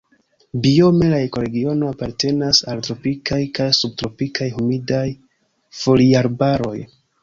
Biome la ekoregiono apartenas al tropikaj kaj subtropikaj humidaj foliarbaroj.